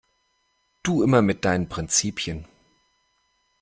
Du immer mit deinen Prinzipien!